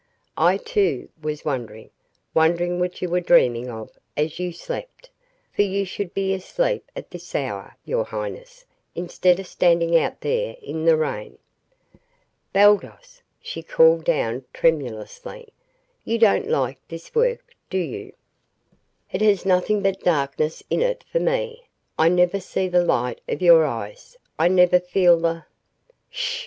"I, too, was wondering wondering what you were dreaming of as you slept, for you should be asleep at this hour, your highness, instead of standing out there in the rain." "Baldos," she called down tremulously, "you don't like this work, do you?" "It has nothing but darkness in it for me. I never see the light of your eyes. I never feel the " "Sh!